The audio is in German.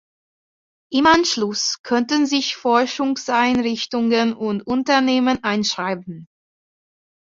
Im Anschluss könnten sich Forschungseinrichtungen und Unternehmen einschreiben.